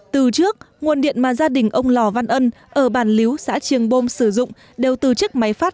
từ trước nguồn điện mà gia đình ông lò văn ân ở bàn lý xã triềng bôm sử dụng đều từ chiếc máy phát